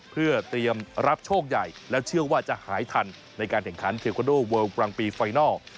เพื่อเตรียมรับโชคใหญ่และเชื่อว่าจะหายทันในการแข่งขันเทคโนเวิลกลางปีไฟนัล